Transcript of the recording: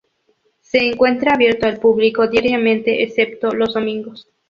Se encuentra abierto al público diariamente excepto los domingos.